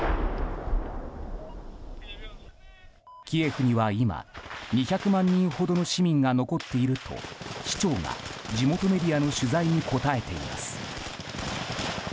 キエフには今２００万人ほどの市民が残っていると市長が地元メディアの取材に答えています。